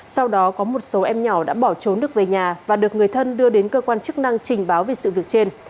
sau đó có một số em nhỏ đã bỏ trốn được về nhà và được người thân đưa đến cơ quan chức năng trình báo về sự việc trên